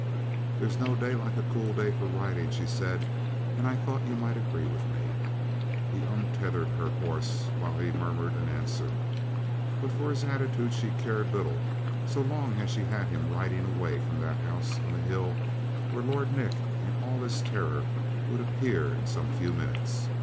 "There's no day like a cool day for riding," she said, "and I thought you might agree with me." He untethered her horse while he murmured an answer. But for his attitude she cared little so long as she had him riding away from that house on the hill where Lord Nick in all his terror would appear in some few minutes.